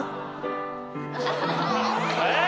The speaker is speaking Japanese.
えっ！？